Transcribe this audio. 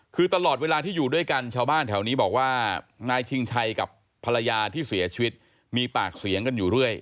คือตลอดเวลาที่อยู่ด้วยกันชาวบ้านแถวนี้บอกว่านายชิงชัยกับภรรยาที่เสียชีวิตมีปากเสียงกันอยู่เรื่อย